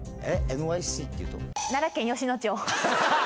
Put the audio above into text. ＮＹＣっていうと？